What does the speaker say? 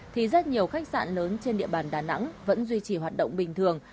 thì rất nhiều khách sạn lớn trên địa bàn đà nẵng vẫn duy trì hoạt động bình thường